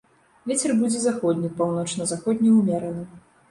Вецер будзе заходні, паўночна-заходні ўмераны.